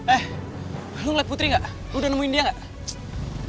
eh lu liat putri gak lu udah nemuin dia gak